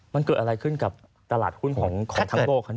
มันเกิดอะไรขึ้นกับตลาดหุ้นของทั้งโลก